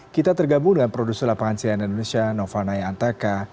kita tergabung dengan produser lapangan cnn indonesia nova naya antaka